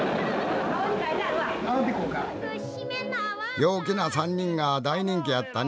陽気な３人が大人気やったね。